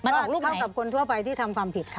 เท่ากับคนทั่วไปที่ทำความผิดค่ะ